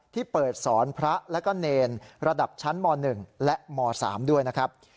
ที่เปิดสอนพระและก็เนรระดับชั้นม๑และม๓ด้วยนะครับ